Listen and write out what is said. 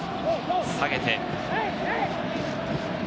下げて。